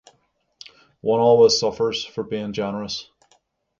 One always suffers for being generous.